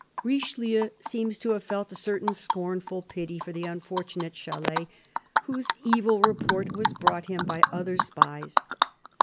Richelieu seems to have felt a certain scornful pity for the unfortunate Chalais, whose evil report was brought to him by other spies.